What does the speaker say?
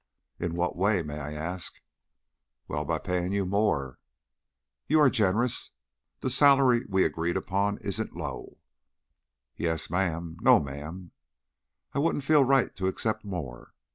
"In what way, may I ask?" "Well, by payin' you more." "You are generous. The salary we agreed upon isn't low." "Yes'm No, ma'am!" "I wouldn't feel right to accept more."